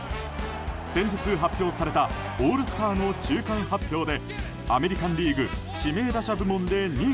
先日、発表されたオールスターの中間発表で